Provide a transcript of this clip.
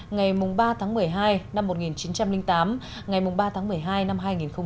ngày ba tháng một mươi hai năm một nghìn chín trăm linh tám ngày ba tháng một mươi hai năm hai nghìn một mươi chín